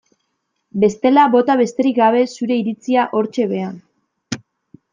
Bestela bota besterik gabe zure iritzia hortxe behean.